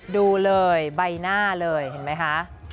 ดูเลยใบหน้าเลยเห็นไหมคะ